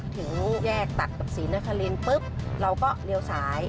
ถึงแยกตัดกับศรีนครินปุ๊บเราก็เลี้ยวซ้าย